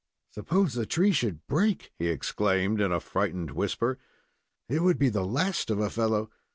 "Suppose the tree should break," he exclaimed, in a frightened whisper, "it would be the last of a fellow!